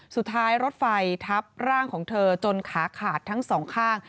สุดท้ายรถไฟทับร่างของเธอจนขาขาดทั้งสองข้าง